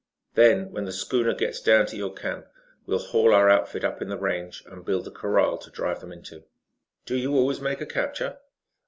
Then, when the schooner gets down to your camp, we'll haul our outfit up in the range and build a corral to drive them into." "Do you always make a capture?"